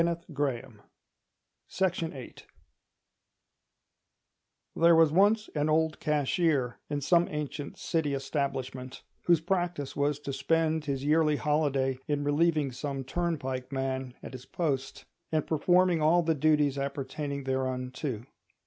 The Eternal Whither There was once an old cashier in some ancient City establishment, whose practice was to spend his yearly holiday in relieving some turnpike man at his post, and performing all the duties appertaining thereunto.